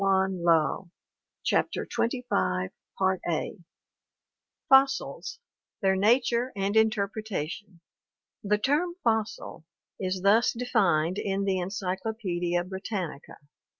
Paleontology CHAPTER XXV Fossils: Their Nature and Interpretation The term fossil is thus defined in the Encyclopaedia Britannica: "(L.